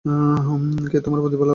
কে তোমাদের প্রতিপালক?